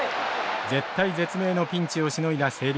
絶体絶命のピンチをしのいだ星稜。